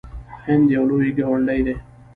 هند یو لوی ګاونډی دی.